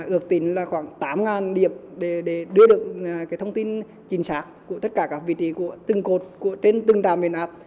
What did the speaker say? ước tính là khoảng tám điệp để đưa được thông tin chính xác của tất cả các vị trí của từng cột trên từng đà miền ấp